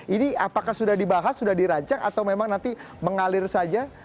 ini apakah sudah dibahas sudah dirancang atau memang nanti mengalir saja